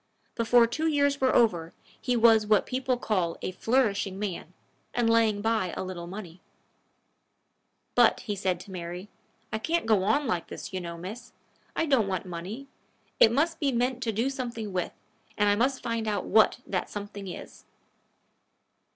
Before two years were over, he was what people call a flourishing man, and laying by a little money. "But," he said to Mary, "I can't go on like this, you know, miss. I don't want money. It must be meant to do something with, and I must find out what that something is."